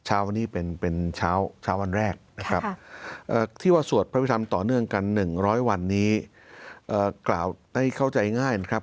เช้าวันนี้เป็นเช้าวันแรกนะครับที่ว่าสวดพระพิธรรมต่อเนื่องกัน๑๐๐วันนี้กล่าวให้เข้าใจง่ายนะครับ